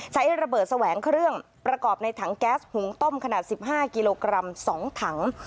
ใช้ระเบิดแสวงเครื่องประกอบในถังแก๊สหุงต้มขนาด๑๕กิโลกรัม๒ถัง